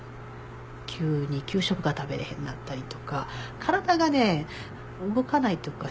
急に給食が食べれへんになったりとか体がね動かないとか。